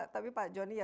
tapi pak johnny